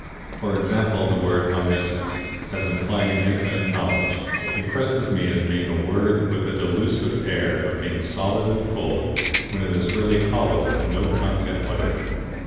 For example, that word Omniscient, as implying infinite knowledge, impresses me as being a word with a delusive air of being solid and full, when it is really hollow with no content whatever.